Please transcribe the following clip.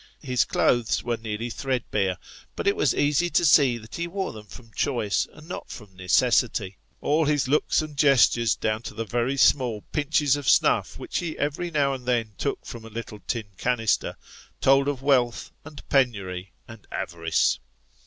His clothes were nearly threadbare, but it was easy to see that he wore them from choice and not from necessity ; all his looks and gestures down to the very small pinches of snuff which ho every now and then took from a little tin canister, told of wealth, and penury, and avarice.